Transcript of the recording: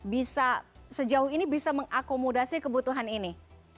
bisa sejauh ini bisa mengakomodasi kebutuhan ini